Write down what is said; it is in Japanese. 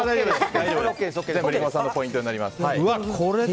リンゴさんのポイントになります。